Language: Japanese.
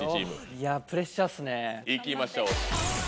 行きましょう。